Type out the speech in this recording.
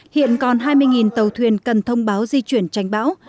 hiện còn hai mươi tàu thuyền cần thông báo di chuyển tranh bão